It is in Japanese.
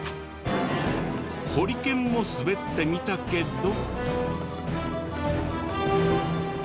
ホリケンも滑ってみたけど。